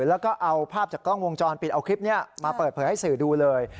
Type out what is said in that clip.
แล้วก็เอาภาพจากกล้องวงจรปิดเอาคลิปนี้มาเปิดเผยให้สื่อดูเลย